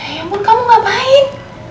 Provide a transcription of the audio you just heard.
ya ampun kamu ngapain